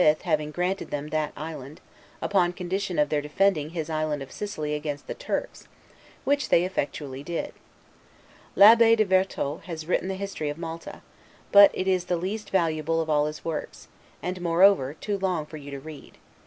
having granted them that island, upon condition of their defending his island of Sicily against the Turks, which they effectually did. L'Abbe de Vertot has written the history of Malta, but it is the least valuable of all his works; and moreover, too long for you to read.